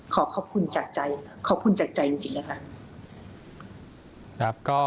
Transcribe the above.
ขอขอบคุณจากใจจากใจจริงนะครับ